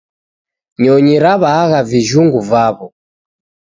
Nyonyi raw'aagha vijhungu vaw'o